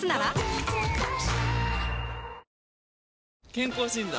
健康診断？